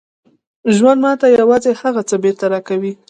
ژوند ماته یوازې هغه څه بېرته راکوي